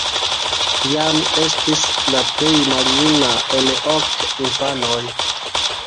Jan estis la plej maljuna el ok infanoj.